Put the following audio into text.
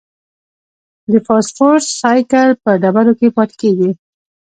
د فوسفورس سائیکل په ډبرو کې پاتې کېږي.